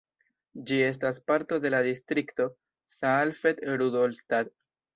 Ĝi estas parto de la distrikto Saalfeld-Rudolstadt.